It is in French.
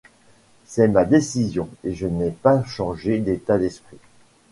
C'est ma décision et je n'ai pas changé d'état d'esprit.